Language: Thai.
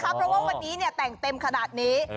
เพราะว่าวันนี้แต่งเต็มขนาดนี้